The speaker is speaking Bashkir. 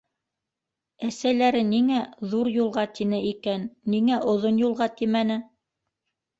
Әсәләре ниңә «ҙур юлға» тине икән, ниңә «оҙон юлға» тимәне?